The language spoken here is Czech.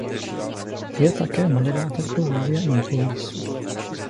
Je také moderátorkou Rádia Impuls.